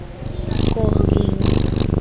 Corguinho